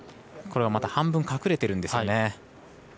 これも半分隠れてるんですよね。